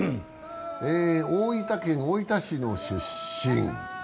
大分県大分市の出身。